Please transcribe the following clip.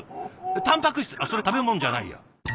たんぱく質あっそれ食べ物じゃないや。